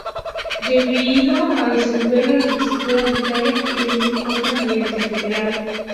Debió disolver la legislatura unitaria y reunir otra, medianamente federal.